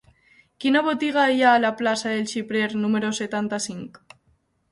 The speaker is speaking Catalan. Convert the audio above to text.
Quina botiga hi ha a la plaça del Xiprer número setanta-cinc?